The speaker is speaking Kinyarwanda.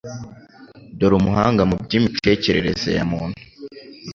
dore Umuhanga mu by'imitekerereze ya muntu,